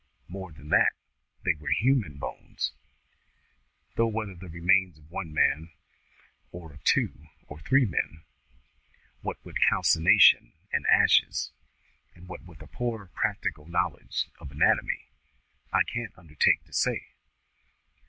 More than that, they were human bones; though whether the remains of one man, or of two or three men, what with calcination and ashes, and what with a poor practical knowledge of anatomy, I can't undertake to say.